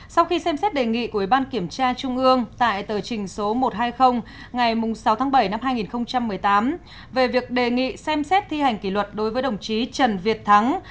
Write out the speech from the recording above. sau khi xem xét đề nghị của ủy ban kiểm tra trung ương tại tờ trình số một trăm hai mươi ngày sáu tháng bảy năm hai nghìn một mươi tám về việc đề nghị xem xét thi hành kỷ luật đối với đồng chí trần việt thắng